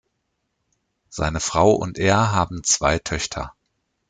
Seine Frau und er haben zwei Töchter.